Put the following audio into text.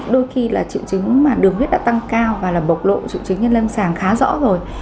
đôi khi là triệu chứng mà đường huyết đã tăng cao và là bộc lộ triệu chứng nhân lâm sàng khá rõ rồi